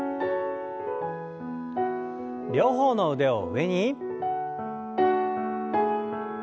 両方の腕を上に。